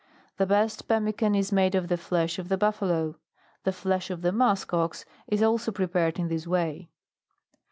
The best pemme can is made of the flesh of the buf falo. The flesh of the musk ox is also prepared in this way.